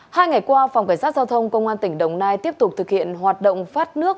hai ngày qua phòng cảnh sát giao thông công an tỉnh đồng nai tiếp tục thực hiện hoạt động phát nước